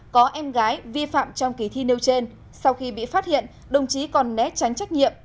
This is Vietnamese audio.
có em gái vi phạm trong kỳ thi nêu trên sau khi bị phát hiện đồng chí còn né tránh trách nhiệm